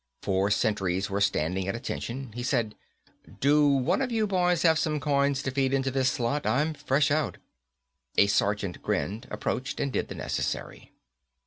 Four sentries were standing at attention. He said, "Do one of you boys have some coins to feed into this slot? I'm fresh out." A sergeant grinned, approached, and did the necessary.